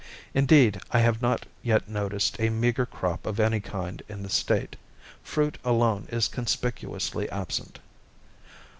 Indeed, I have not yet noticed a meager crop of any kind in the State. Fruit alone is conspicuously absent.